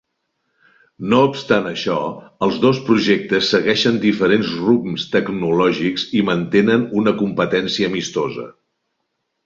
No obstant això, els dos projectes segueixen diferents rumbs tecnològics i mantenen una competència amistosa.